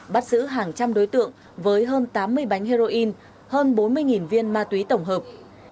bắt giữ hàng trăm đối tượng với hơn tám mươi bánh heroin hơn bốn mươi viên ma túy tổng hợp